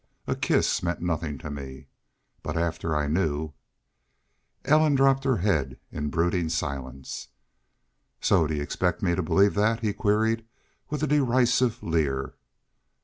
A kiss meant nothing to me. But after I knew " Ellen dropped her head in brooding silence. "Say, do y'u expect me to believe that?" he queried, with a derisive leer.